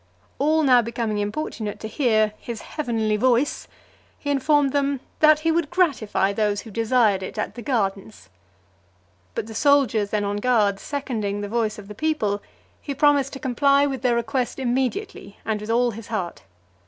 All now becoming importunate to hear "his heavenly voice," he informed them, "that he would gratify those who desired it at the gardens." But the soldiers then on guard seconding the voice of the people, he promised to comply with their request immediately, and with all his heart.